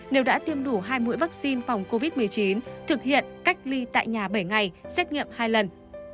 nếu đã tiêm đủ hai mũi vaccine phòng covid một mươi chín thực hiện cách ly tại nhà bảy ngày xét nghiệm hai lần